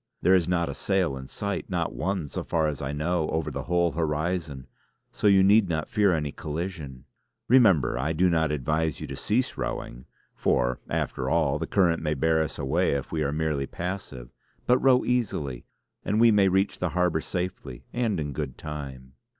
There is not a sail in sight; not one, so far as I know, over the whole horizon, so you need not fear any collision. Remember, I do not advise you to cease rowing; for, after all, the current may bear us away if we are merely passive. But row easily; and we may reach the harbour safely and in good time!"